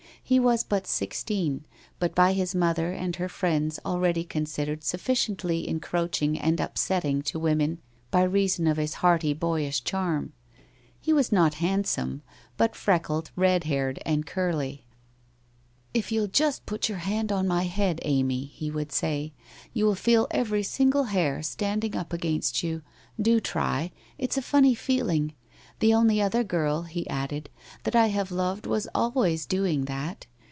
He was but sixteen, but by his mother and her friends already considered sufficiently encroaching and upsetting to women by reason of his hearty, boyish charm. He was not handsome, but freckled, redhaired and curly. 'If you'll just put your hand on my head, Amy/ he would say, 'you will feel every single hair standing up against you. Do try. It's a funny feeling. The only other girl/ he added, ' that I have loved was always doing that.